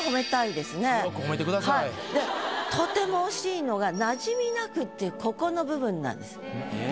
でとても惜しいのが「馴染みなく」っていうここの部分なんです。えっ？